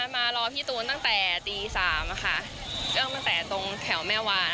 มารอพี่ตูนตั้งแต่ตี๓ตั้งแต่ตรงแถวแม้ว่า